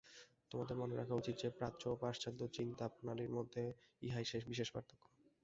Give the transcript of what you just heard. তোমাদের মনে রাখা উচিত যে, প্রাচ্য ও পাশ্চাত্য চিন্তাপ্রণালীর মধ্যে ইহাই বিশেষ পার্থক্য।